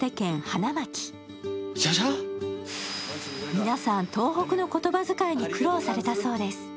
皆さん、東北の言葉づかいに苦労されたそうです。